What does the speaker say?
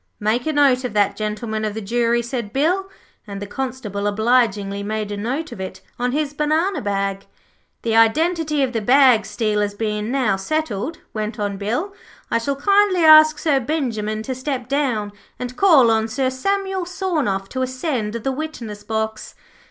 'Make a note of that, Gentlemen of the Jury,' said Bill, and the Constable obligingly made a note of it on his banana bag. 'The identity of the bag stealers bein' now settled,' went on Bill, 'I shall kindly ask Sir Benjimen to step down, and call on Sir Samuel Sawnoff to ascend the witness box.'